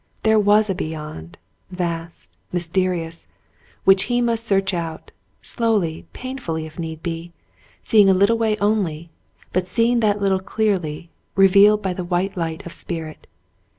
There was a beyond — vast — mysterious — which he must search out, slowly, painfully, if need be, seeing a little way only, but seeing that little clearly, revealed by the white light of spirit.